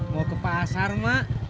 mau ke pasar mak